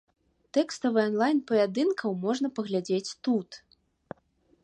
Тэкставы анлайн паядынкаў можна паглядзець тут.